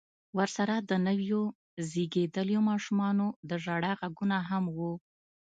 ورسره د نويو زيږېدليو ماشومانو د ژړا غږونه هم و.